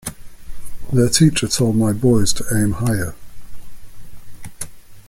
Their teacher told my boys to aim higher.